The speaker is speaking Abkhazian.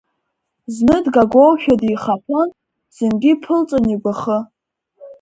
Зны дгагоушәа дихаԥон, зынгьы иԥылҵәон игәахы.